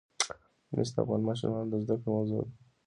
مس د افغان ماشومانو د زده کړې موضوع ده.